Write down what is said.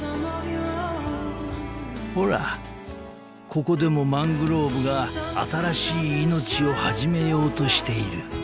［ほらここでもマングローブが新しい命を始めようとしている］